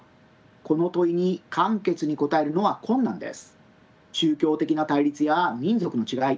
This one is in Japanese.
この問いに簡潔に答えるのは困難です。